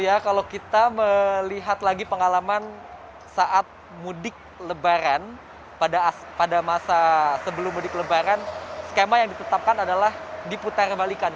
ya kalau kita melihat lagi pengalaman saat mudik lebaran pada masa sebelum mudik lebaran skema yang ditetapkan adalah diputar balikan